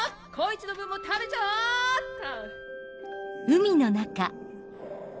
耕一の分も食べちゃおっと！